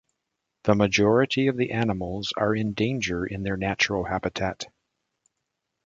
The majority of the animals are in danger in their natural habitat.